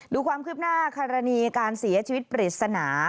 ดูความคืบหน้ากรณีการเสียชีวิตปริศนา